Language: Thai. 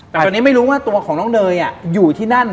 แต่ตอนนี้ไม่รู้ว่าตัวของน้องเนยอยู่ที่นั่น